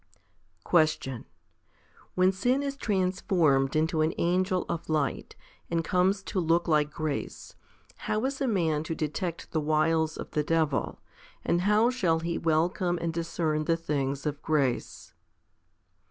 3. Question. When sin is transformed into an angel of light, and comes to look like grace, how is a man to detect the wiles of the devil, and how shall he welcome and discern the things of grace?